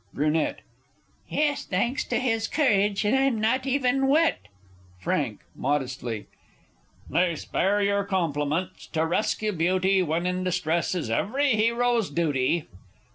Br. Yes, thanks to his courage, I'm not even wet! Frank (modestly). Nay, spare your compliments. To rescue Beauty, When in distress, is every hero's duty!